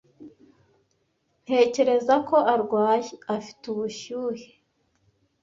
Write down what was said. Ntekereza ko arwaye. Afite ubushyuhe.